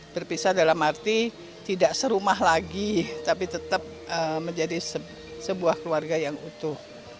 berpisah dalam arti tidak serumah lagi tapi tetap menjadi sebuah keluarga yang utuh